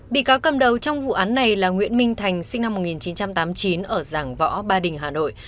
bị cáo cầm đầu trong vụ án này là nguyễn minh thành sinh năm một nghìn chín trăm tám mươi chín ở giảng võ ba đình hà nội